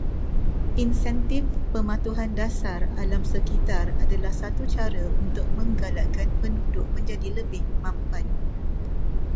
Insentif pematuhan dasar alam sekitar adalah satu cara untuk menggalakkan penduduk menjadi lebih mampan